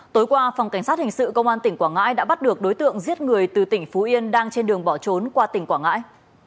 tối qua phòng cảnh sát hình sự công an tỉnh quảng ngãi đã bắt được đối tượng giết người từ tỉnh phú yên đang trên đường bỏ trốn qua tỉnh quảng ngãi